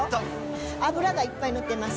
脂がいっぱい乗ってます。